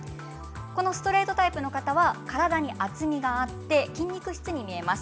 ストレートタイプの方は体に厚みがあって筋肉質に見えます。